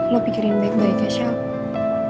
lo pikirin baik baik ya michelle